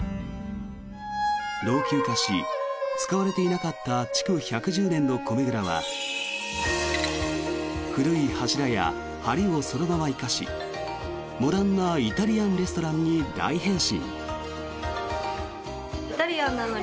老朽化し、使われていなかった築１１０年の米蔵は古い柱や、はりをそのまま生かしモダンなイタリアンレストランに大変身。